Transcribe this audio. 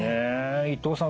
伊藤さん